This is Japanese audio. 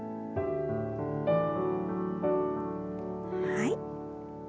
はい。